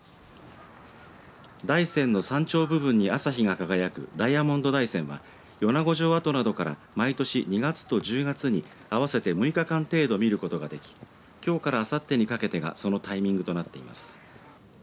大山の山頂部分に朝日が輝くダイヤモンド大山は米子城跡などから毎年２月と１０月に合わせて６日間程度見ることができきょうからあさってにかけてがそのタイミングとなっています。